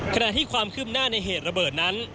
ขณะที่ความคืบหน้าในเหตุระเบิดนั้น